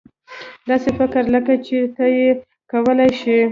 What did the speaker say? داسې فکر لکه چې ته یې کولای شې.